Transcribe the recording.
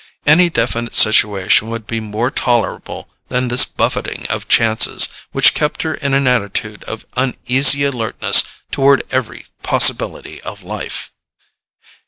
Any definite situation would be more tolerable than this buffeting of chances, which kept her in an attitude of uneasy alertness toward every possibility of life.